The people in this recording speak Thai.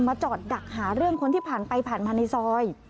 มาจอดดักหาร่วมที่ผ่านไปผ่านมาในซอย